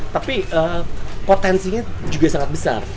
tapi potensinya juga sangat besar